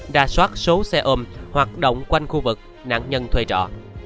ra soát số xe ôm hoạt động quanh khu vực nạn nhân thuê trọ